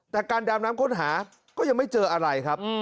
แต่การดำน้ำค้นหาก็ยังไม่เจออะไรครับ